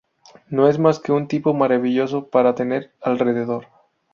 No es más que un tipo maravilloso para tener alrededor.